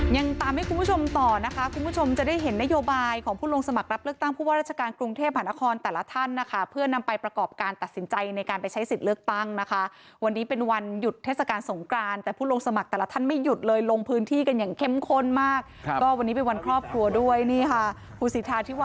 ยังตามให้คุณผู้ชมต่อนะคะคุณผู้ชมจะได้เห็นนโยบายของผู้ลงสมัครรับเลือกตั้งผู้ว่าราชการกรุงเทพหานครแต่ละท่านนะคะเพื่อนำไปประกอบการตัดสินใจในการไปใช้สิทธิ์เลือกตั้งนะคะวันนี้เป็นวันหยุดเทศกาลสงกรานแต่ผู้ลงสมัครแต่ละท่านไม่หยุดเลยลงพื้นที่กันอย่างเข้มข้นมากครับก็วันนี้เป็นวันครอบครัวด้วยนี่ค่ะคุณสิทธาที่ว